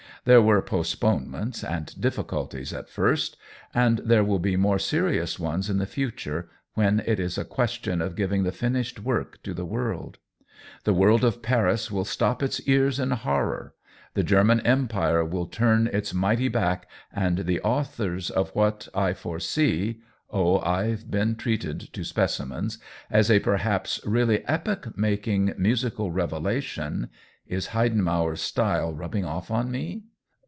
There were postponements and difficulties at first, and there will be more serious ones in the future, when it is a question of giving the finished work to the world. The world of Paris will stop its ears in horror, the Ger man Empire will turn its mighty back, and the authors of what I foresee (oh, IVe been treated to specimens !) as a perhaps really epoch making, musical revelation (is Heid enmauer's style rubbing off on me?)